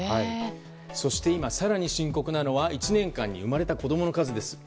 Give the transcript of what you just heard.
そして今、更に深刻なのは１年間に生まれた子供の数です。